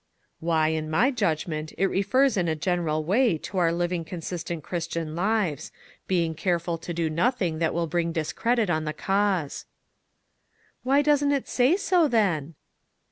" Why, in my judgment, it refers in a general way, to our living consistent Chris 38 ONE COMMONPLACE DAY. tian lives, being careful to do nothing that will bring discredit on the cause." " Why doesn't it say so, then